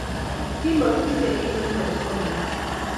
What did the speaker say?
Kimagitinye kiy nenwai, komanda